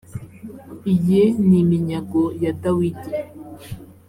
iyi ni iminyago ya dawidi